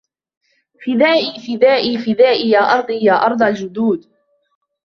فدائي فدائي فدائي يا أرضي يا أرض الجدود